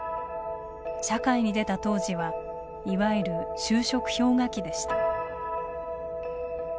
社会に出た当時はいわゆる就職氷河期でした。